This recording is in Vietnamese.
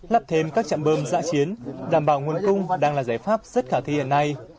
lắp thêm các trạm bơm dạ chiến đảm bảo nguồn cung đang là giải pháp rất khả thi hiện nay